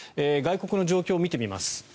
外国の状況を見てみます。